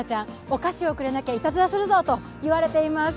お菓子をくれなきゃいたずらするぞと言われています。